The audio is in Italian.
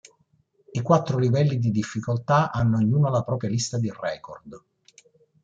I quattro livelli di difficoltà hanno ognuno la propria lista di record.